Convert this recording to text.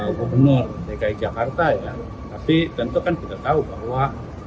gubernur dki jakarta ya tapi tentukan tidak tahu bahwa